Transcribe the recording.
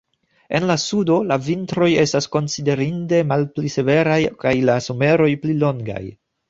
En la sudo la vintroj estas konsiderinde malpli severaj kaj la someroj pli longaj.